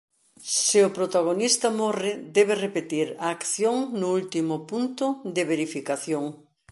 Se o protagonista morre debe repetir a acción no último punto de verificación.